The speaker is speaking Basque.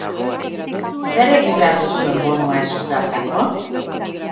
Zer egin behar duzuen bonua eskuratzeko?